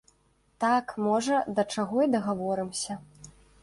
Так, можа, да чаго і дагаворымся.